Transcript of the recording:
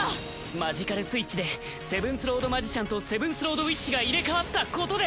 マジカル・スイッチでセブンスロード・マジシャンとセブンスロード・ウィッチが入れ替わったことで。